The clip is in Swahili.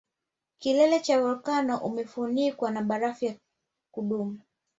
Kilele cha volkano umefunikwa na barafu ya kudumu